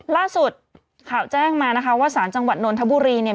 ล่าสุดข่าวแจ้งมานะคะว่าสารจังหวัดนนทบุรีเนี่ย